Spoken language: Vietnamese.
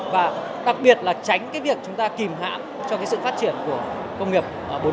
và đặc biệt là tránh cái việc chúng ta kìm hãm cho cái sự phát triển của công nghiệp bốn